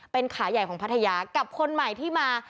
เป็นขาใหญ่ของพัทยากับคนใหม่ที่มา